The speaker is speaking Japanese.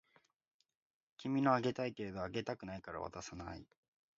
君のあげたいけれどあげたくないから渡さない